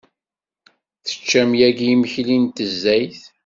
Teččam yagi imekli n tnezzayt?